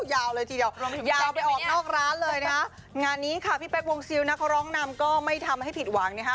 ยาวเลยทีเดียวยาวไปออกนอกร้านเลยนะคะงานนี้ค่ะพี่เป๊กวงซิลนะเขาร้องนำก็ไม่ทำให้ผิดหวังนะคะ